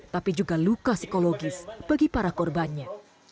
tapi juga luka psikologis bagi para korbannya